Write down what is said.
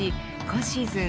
今シーズン